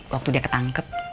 waktu dia ketangkep